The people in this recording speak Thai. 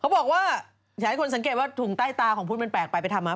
บอกว่าอยากให้คนสังเกตว่าถุงใต้ตาของพุทธมันแปลกไปไปทำมา